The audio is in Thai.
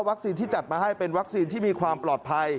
ที่จัดมาให้เป็นวัคซีนที่มีความปลอดภัย